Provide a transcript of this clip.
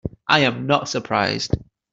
I am not surprised.